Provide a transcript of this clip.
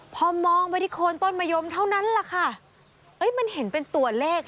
พอมองว่าที่ขนต้นมะยมเท่านั้นค่ะมันเห็นเป็นตัวเลข